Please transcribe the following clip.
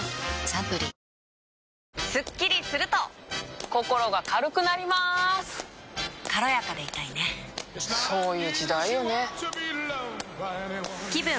サントリースッキリするとココロが軽くなります軽やかでいたいねそういう時代よねぷ